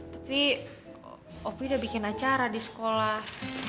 tapi opi udah bikin acara di sekolah